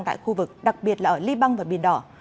tại khu vực đặc biệt là ở liban và biển đỏ